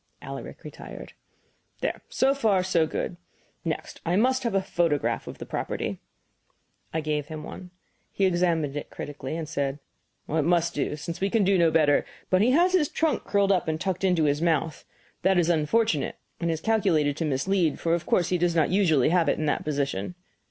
Alaric retired. "There so far, so good. Next, I must have a photograph of the property." I gave him one. He examined it critically, and said: "It must do, since we can do no better; but he has his trunk curled up and tucked into his mouth. That is unfortunate, and is calculated to mislead, for of course he does not usually have it in that position."